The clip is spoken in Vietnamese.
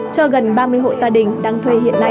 cho gần ba mươi hộ gia đình đang thuê hiện nay